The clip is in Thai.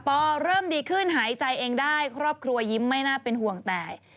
เริ่มดีขึ้นหายใจเองได้ครอบครัวยิ้มไม่น่าเป็นห่วงแต่